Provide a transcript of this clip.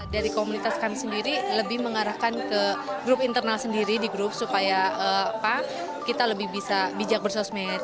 dari komunitas kami sendiri lebih mengarahkan ke grup internal sendiri di grup supaya kita lebih bisa bijak bersosmed